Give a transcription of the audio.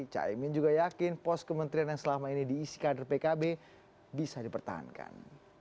caimin juga yakin pos kementerian yang selama ini diisi kader pkb bisa dipertahankan